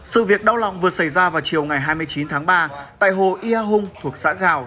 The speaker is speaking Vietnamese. sự việc đau lòng vừa xảy ra vào chiều ngày hai mươi chín tháng ba tại hồ ia hung thuộc xã gào